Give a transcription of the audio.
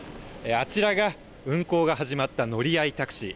あちらが運行が始まった乗り合いタクシー。